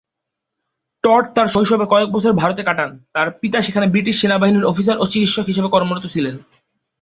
Todd তার শৈশবে কয়েক বছর ভারতে কাটান, তার পিতা সেখানে ব্রিটিশ সেনাবাহিনীর অফিসার ও চিকিৎসক হিসেবে কর্মরত ছিলেন।